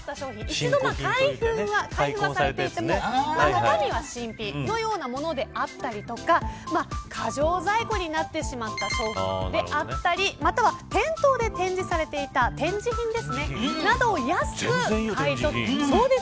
一度開封はされていても中身は新品のようなものであったりとか過剰在庫になってしまった商品であったりまたは店頭で展示されていた展示品ですね。